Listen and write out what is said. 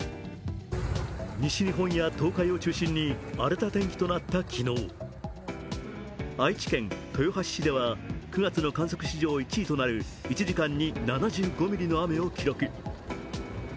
西日本や東海を中心に荒れた天気となった昨日愛知県豊橋市では９月の観測史上１位となる１時間に７５ミリの雨を記録。